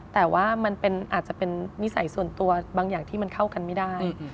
แต่ว่ามันอาจจะเป็นนิสัยส่วนตัวบางอย่างที่มันเข้ากันไม่ได้